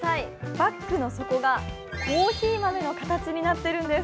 バッグの底がコーヒー豆の形になっているんです。